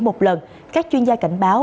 một lần các chuyên gia cảnh báo